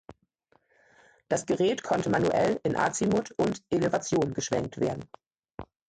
Das Gerät konnte manuell in Azimut und Elevation geschwenkt werden.